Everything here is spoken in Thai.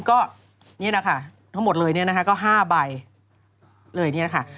ทั้งหมดเลยก็๕ใบ